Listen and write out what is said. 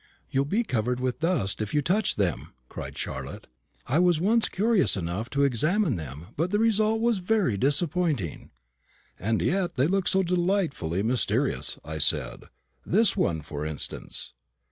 "You'll be covered with dust if you touch them," cried Charlotte. "I was once curious enough to examine them, but the result was very disappointing." "And yet they look so delightfully mysterious," I said. "This one, for instance?"